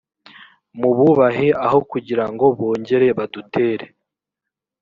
mububahe aho kugira ngo bongere badutere